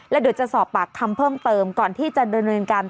แล้วเดี๋ยวจะสอบปากคำเพิ่มเติมก่อนที่จะดำเนินการ